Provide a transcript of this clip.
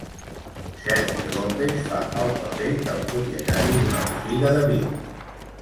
Sergi López fa el paper del propietari d'una botiga de vins.